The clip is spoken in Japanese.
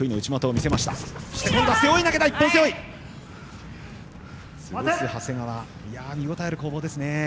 見応えのある攻防ですね。